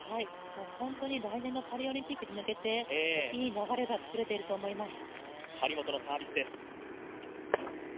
本当に来年のパリオリンピックに向けていい流れが作れていると思います。